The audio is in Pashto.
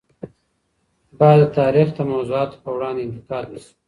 باید د تاریخ د موضوعاتو په وړاندي انتقاد وسي.